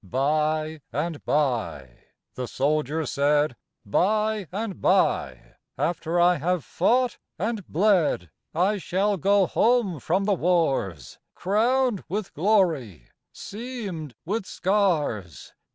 "By and by," the soldier said "by and by, After I have fought and bled, I shall go home from the wars, Crowned with glory, seamed with scars.